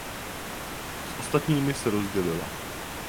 S ostatními se rozdělila.